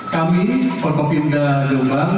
kami koko pindah jombang